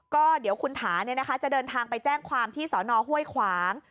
ก็เดี๋ยวคุณถาจะเดินทางไปแจ้งความที่สอนอห้วยขวาง